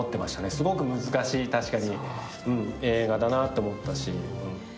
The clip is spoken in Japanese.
すごく難しい、確かに、映画だなと思ったし。